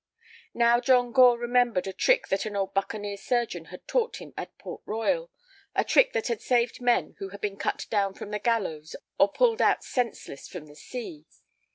Now John Gore remembered a trick that an old buccaneer surgeon had taught him at Port Royal—a trick that had saved men who had been cut down from the gallows or pulled out senseless from the sea.